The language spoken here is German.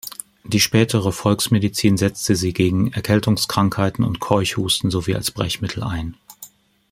Die spätere Volksmedizin setzte sie gegen Erkältungskrankheiten und Keuchhusten sowie als Brechmittel ein.